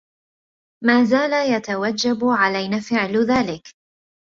ما زال يتوجب علينا فعل ذلك.